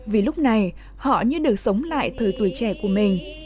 vì lúc này họ như được sống lại thời tuổi trẻ của mình